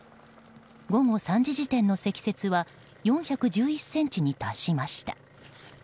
午後３時時点の積雪は４１１ｃｍに達しました。